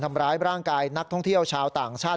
ทำร้ายร่างกายนักท่องเที่ยวชาวต่างชาติ